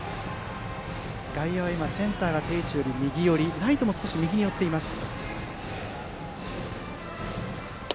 外野センターが定位置より右寄りライトも右に寄っています。